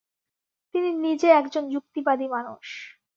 তিনি নিজে একজন যুক্তিবাদী মানুষ।